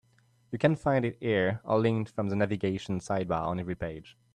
You can find it here, or linked from the navigation sidebar on every page.